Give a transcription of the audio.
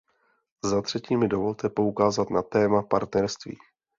Za třetí mi dovolte poukázat na téma partnerství.